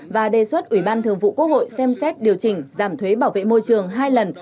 và đề xuất ủy ban thường vụ quốc hội xem xét điều chỉnh giảm thuế bảo vệ môi trường hai lần